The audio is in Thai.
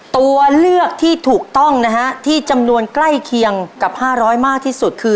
ตัวเลือกที่ถูกต้องนะฮะที่จำนวนใกล้เคียงกับ๕๐๐มากที่สุดคือ